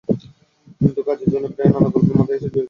কিন্তু কাজের সময় প্রায়ই নানা গল্প তাঁর মাথায় এসে ভিড় করে।